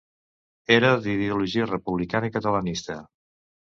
Era d'ideologia republicana i catalanista.